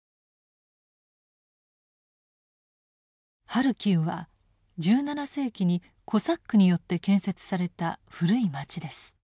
ハルキウは１７世紀にコサックによって建設された古い町です。